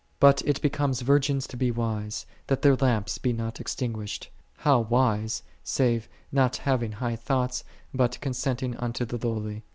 "10 But it becometh virgins to be wise, that their lamps be not extinguished." How " wise," save " not having high thoughts, but consenting unto the lowly.""